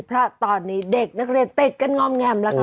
เพราะตอนนี้เด็กนักเรียนติดกันงอมแงมแล้วค่ะ